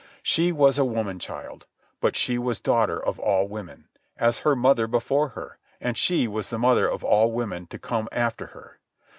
She was a woman child, but she was daughter of all women, as her mother before her, and she was the mother of all women to come after her.